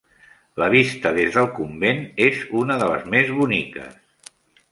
La vista dels del convent és una de les més boniques.